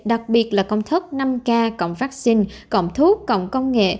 đặc biệt là công thức năm k cộng vaccine cộng thuốc cộng công nghệ